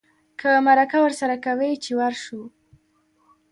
که مرکه ورسره کوې چې ورشو.